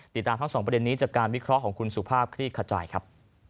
ติดตามทั้งสองประเด็นนี้จากการวิเคราะห์ของคุณสุภาพคลี่ขจายครับ